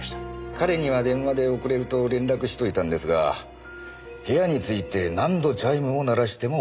彼には電話で遅れてると連絡しといたんですが部屋に着いて何度チャイムを鳴らしても応答がない。